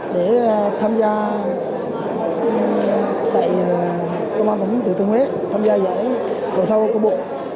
để tham gia tại công an thành phố tử tư nguyễn tham gia giải hội thao của bộ